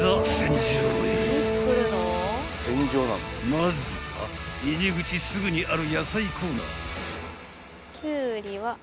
［まずは入り口すぐにある］